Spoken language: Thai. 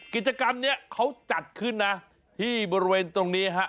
กิจกรรมนี้เขาจัดขึ้นนะที่บริเวณตรงนี้ฮะ